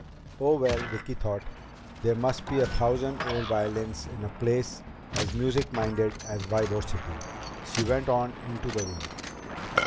Oh, well, Vicki thought, there must be a thousand old violins in a place as music minded as Ybor City. She went on into the room.